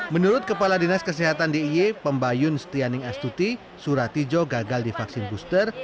menurut kepala dinas kesehatan dia pembayun setianing astuti suratijo gagal di vaksin booster